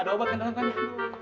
ada obat kan dalam dalam